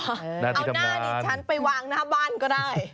เอาหน้าดิฉันไปวางหน้าบ้านก็ได้